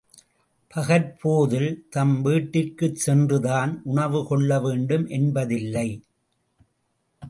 பகற்போதில் தம் வீட்டிற்குச் சென்றுதான் உணவு கொள்ள வேண்டும் என்பதில்லை.